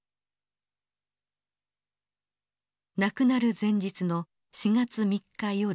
亡くなる前日の４月３日夜。